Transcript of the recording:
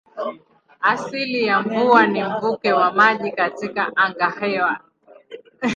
Asili ya mvua ni mvuke wa maji katika angahewa.